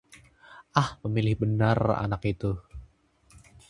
ah, pemilih benar anak itu